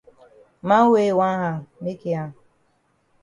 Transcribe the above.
Man wey yi wan hang make yi hang.